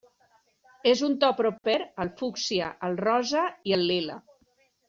És un to proper al fúcsia, al rosa i al lila.